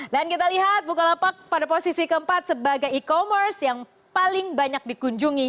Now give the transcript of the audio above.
kita lihat bukalapak pada posisi keempat sebagai e commerce yang paling banyak dikunjungi